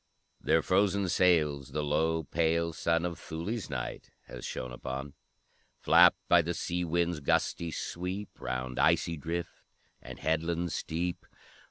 Their frozen sails the low, pale sun Of Thulë's night has shone upon; Flapped by the sea wind's gusty sweep Round icy drift, and headland steep.